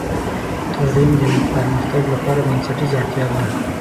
تعلیم د پرمختګ لپاره بنسټیزه اړتیا ده.